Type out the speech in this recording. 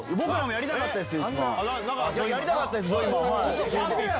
やりたかったですよ。